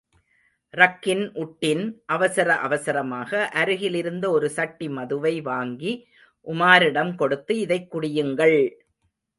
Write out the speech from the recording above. ரக்கின் உட்டின் அவசர அவசரமாக அருகில் இருந்த ஒரு சட்டிமதுவை வாங்கி உமாரிடம் கொடுத்து இதைக் குடியுங்கள்!